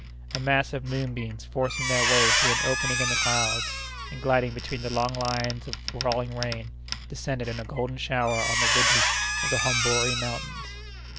A mass of moonbeams forcing their way through an opening in the clouds, and gliding between the long lines of falling rain, descended in a golden shower on the ridges of the Hombori Mountains.